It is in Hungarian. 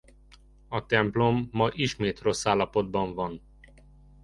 A templom ma ismét rossz állapotban van.